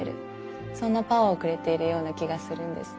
そんなパワーをくれているような気がするんです。